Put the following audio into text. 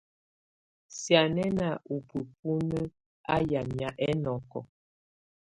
Sianɛna u bubǝ́nu á yamɛ̀á ɛnɔkɔ.